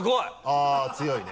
あぁ強いね。